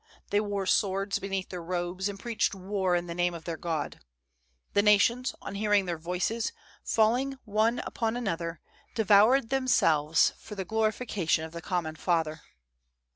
They wore swords beneath their robes and preached war in the name of their god. The nations, on hearing their voices, falling one upon another, devoured themselves for the glorifica tion of the common Father.